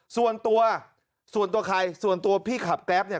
ส่วนตัวส่วนตัวใครส่วนตัวพี่ขับแกรปเนี่ย